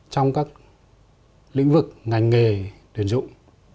trong các lĩnh vực ngành nghề tuyển dụng